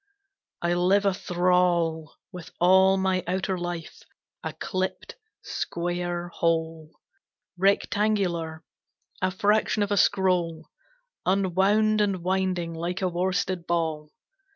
I live a thrall With all my outer life a clipped, square hole, Rectangular; a fraction of a scroll Unwound and winding like a worsted ball.